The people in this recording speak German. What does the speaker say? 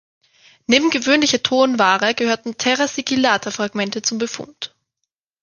Neben gewöhnlicher Tonware gehörten Terra Sigillata-Fragmente zum Befund.